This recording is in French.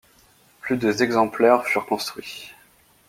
Plus de exemplaires furent construits.